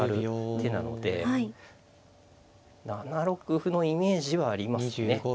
７六歩のイメージはありますね。